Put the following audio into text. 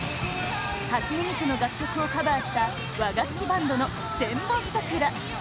初音ミクの楽曲をカバーした和楽器バンドの「千本桜」